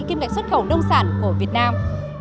kim ngạch xuất khẩu nông sản của việt nam